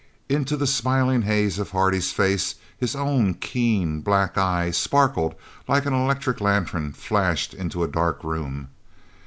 Into the smiling haze of Hardy's face his own keen black eye sparkled like an electric lantern flashed into a dark room.